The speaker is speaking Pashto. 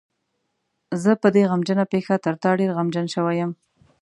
زه په دې غمجنه پېښه تر تا ډېر غمجن شوی یم.